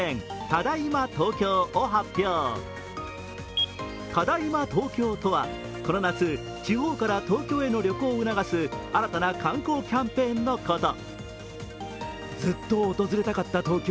ただいま東京とは、この夏地方から東京への旅行を促す新たな観光キャンペーンのこと。